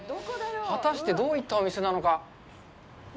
果たして、どういったお店なのか。